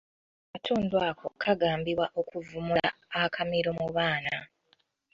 Akatundu ako kagambibwa okuvumula akamiro mu baana.